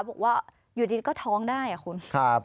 บอกว่าอยู่ดีก็ท้องได้อะคุณ